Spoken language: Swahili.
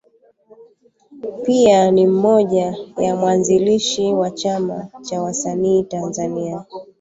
Pia ni mmoja ya waanzilishi wa Chama cha Wasanii Tanzania.